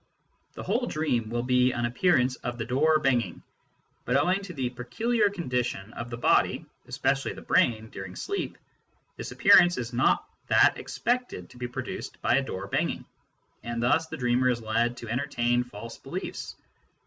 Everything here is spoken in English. The whole dream will be an appearance of the door bang ing, but owing to the peculiar condition of the body (especially the brain) during sleep, this appearance is not that expected to be produced by a door banging, and thus the dreamer is led to entertain false beliefs.